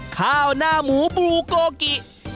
ข้าวหน้าหมูบลูโกกิ